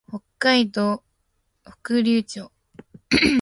北海道北竜町